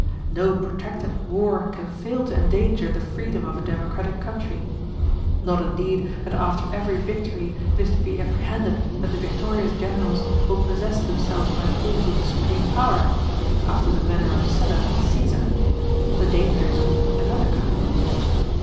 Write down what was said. No protracted war can fail to endanger the freedom of a democratic country. Not indeed that after every victory it is to be apprehended that the victorious generals will possess themselves by force of the supreme power, after the manner of Sylla and Caesar: the danger is of another kind.